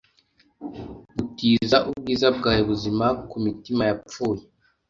gutiza ubwiza bwawe buzima kumitima yapfuye